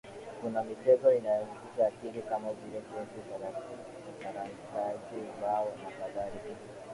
Kuna michezo inayohusisha akili kama vile chesi sarantanji bao nakadhalika